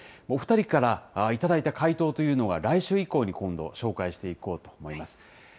お２人から頂いた回答というのは、来週以降に今度、紹介していこうと思います。